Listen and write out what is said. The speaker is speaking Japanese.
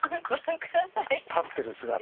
立ってる姿。